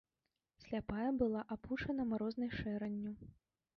Сляпая была апушана марознай шэранню.